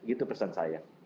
itu pesan saya